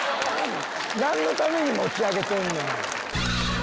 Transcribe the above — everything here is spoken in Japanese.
何のために持ち上げとんねん。